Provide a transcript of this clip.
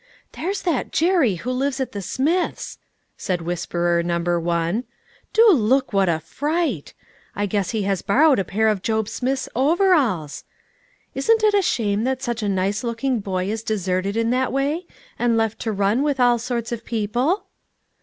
" There's that Jerry who lives at the Smiths'," said whisperer number one, " do look what a fright ; I guess he has borrowed a pair of Job Smith's overalls ! Isn't it a shame that such a nice looking boy is deserted in that way, and left to run with all sorts of people?"